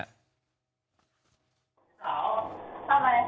สาวทำไมไปพูดอะไรว่ากูจะเอามันออกแม่มันด้วย